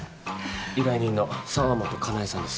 依頼人の澤本香奈江さんです。